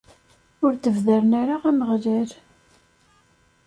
Ur d-beddren ara Ameɣlal.